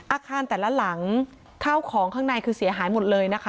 อาคารแต่ละหลังข้าวของข้างในคือเสียหายหมดเลยนะคะ